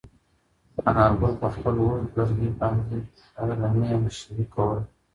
انارګل په خپل اوږد لرګي باندې د رمې مشري کوله.